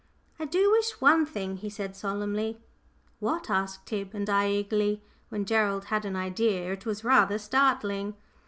"I do wish one thing," he said solemnly. "What?" asked Tib and I eagerly. When Gerald had an idea, it was rather startling.